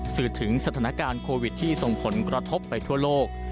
สื่อถึงสถานการณ์โควิดที่ส่งผลกระทบไปทั่วโลก